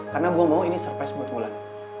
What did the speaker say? karena gue mau ini surprise buat mulan